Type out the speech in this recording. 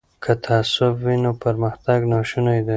که تعصب وي نو پرمختګ ناشونی دی.